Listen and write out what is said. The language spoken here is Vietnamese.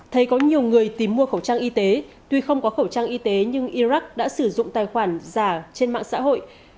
thấy có nhiều người tìm mua khẩu trang y tế tuy không có khẩu trang y tế nhưng iraq đã sử dụng tài khoản giả trên mạng xã hội